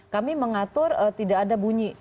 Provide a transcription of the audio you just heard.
kami mengatur tidak ada bunyi